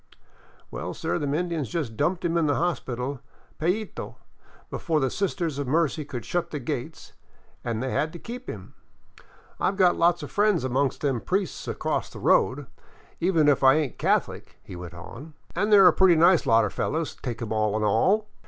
Well, sir, them Indians just dumped him in the I hospital payteeo before the Sisters of Mercy could shut the gates, an' they had to keep him. 1 "I 've got a lot of friends amongst them priests across the road. VAGABONDING DOWN THE ANDES even if I ain't a Catholic," he went on, " an' they 're a pretty nice lot o' fellers, take 'em all in all.